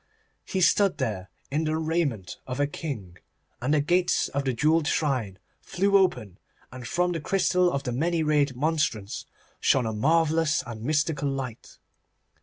He stood there in the raiment of a king, and the gates of the jewelled shrine flew open, and from the crystal of the many rayed monstrance shone a marvellous and mystical light.